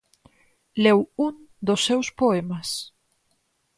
Leu un dos seus poemas.